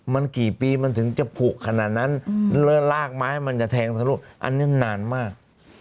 มันกี่ปีมันถึงจะผูกขนาดนั้นแล้วลากไม้มันจะแทงทะลุอันนี้นานมาก